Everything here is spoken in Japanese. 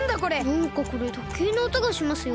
なんかこれとけいのおとがしますよ？